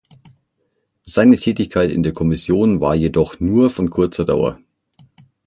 Seine Tätigkeit in der Kommission war jedoch nur von kurzer Dauer.